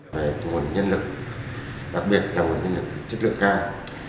về nguồn nhân lực đặc biệt là nguồn nhân lực chất lượng cao